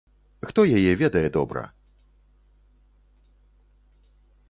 Хто яе ведае добра?